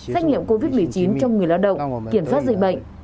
xét nghiệm covid một mươi chín cho người lao động kiểm soát dịch bệnh